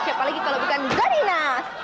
siapa lagi kalau bukan zarina